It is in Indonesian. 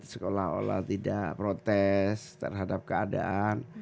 seolah olah tidak protes terhadap keadaan